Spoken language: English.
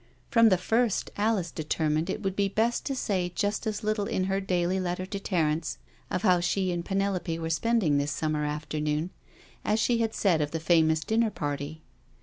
From the first Alice determined it would be best to say just as little in her daily letter to Terence of howi she and Penelope were spending this summer afternoon, as she had said of the famous dinner party.